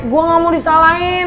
gua gamau disalahin